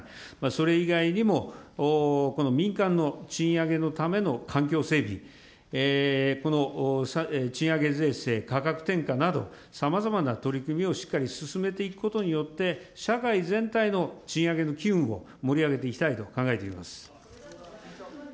それ以外にも、この民間の賃上げのための環境整備、この賃上げ税制、価格転嫁など、さまざまな取り組みをしっかり進めていくことによって、社会全体の賃上げの機運を盛り上げていきたいと考えています。